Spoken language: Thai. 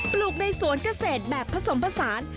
ลูกในสวนเกษตรแบบผสมผสาน